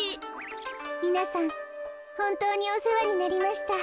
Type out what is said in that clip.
みなさんほんとうにおせわになりました。